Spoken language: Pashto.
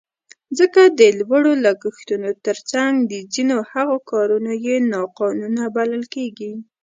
ځکه د لوړو لګښتونو تر څنګ د ځینو هغو کارونه یې ناقانونه بلل کېږي.